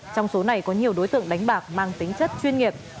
trong số này có nhiều đối tượng đánh bạc mang tính chất chuyên nghiệp